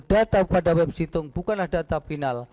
data pada web situng bukanlah data final